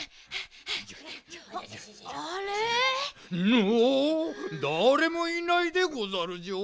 ぬおだれもいないでござるじょう？